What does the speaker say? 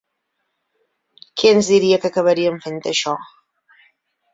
Qui ens diria que acabaríem fent això?